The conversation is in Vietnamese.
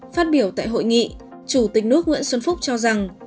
phát biểu tại hội nghị chủ tịch nước nguyễn xuân phúc cho rằng